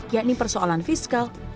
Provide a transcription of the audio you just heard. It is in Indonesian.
yakni persoalan fiskal